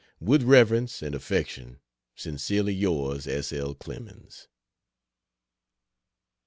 With reverence and affection, Sincerely yours, S. L. CLEMENS.